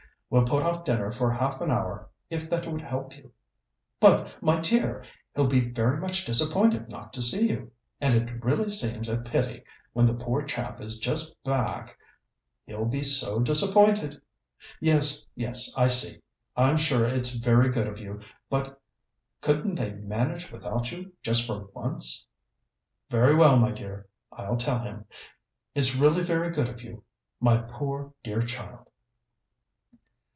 We'll put off dinner for half an hour if that would help you.... But, my dear, he'll be very much disappointed not to see you, and it really seems a pity, when the poor chap is just back ... he'll be so disappointed.... Yes, yes, I see. I'm sure it's very good of you, but couldn't they manage without you just for once?... Very well, my dear, I'll tell him.... It's really very good of you, my poor dear child...."